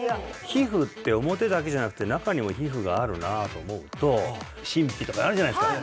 皮膚って表だけじゃなくて中にも皮膚があるなあと思うと真皮とかあるじゃないですか